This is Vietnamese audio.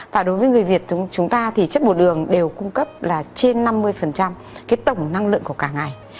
và đối với người việt chúng ta thì chất bột đường đều cung cấp là trên năm mươi cái tổng năng lượng của cả ngày